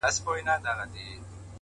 • ملنګه ! محبت ګني بېخي دلته ناياب دی؟ ,